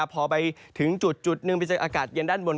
พอไปถึงจุดนึงอากาศเย็นด้านบน